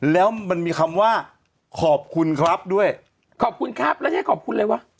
แล้วมันมีคำว่าขอบคุณครับด้วยขอบคุณครับแล้วจะให้ขอบคุณอะไรวะ